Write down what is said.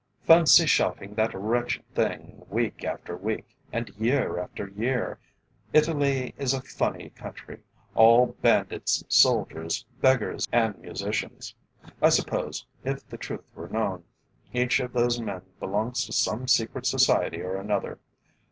"Fancy shouting that wretched thing, week after week, and year after year! Italy is a funny country all bandits, soldiers, beggars and musicians. I suppose, if the truth were known, each of those men belongs to some secret society or another.